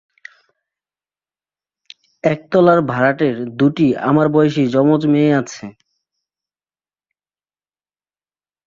একতলার ভাড়াটের দুটি আমার বয়েসি যমজ মেয়ে আছে।